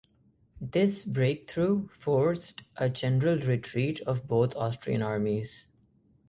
This breakthrough forced a general retreat of both Austrian armies.